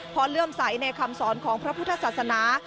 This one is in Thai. เพราะเลื่อมใสในคำสอนของพระพุทธศาสนา